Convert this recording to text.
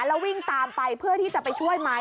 แล้ววิ่งตามไปเพื่อที่จะไปช่วยไหม